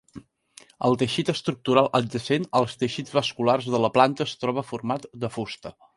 El teixit estructural adjacent als teixits vasculars de la planta es troba format de fusta.